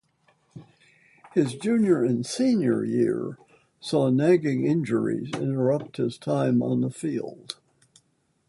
His junior and senior year saw nagging injuries interrupt his time on the field.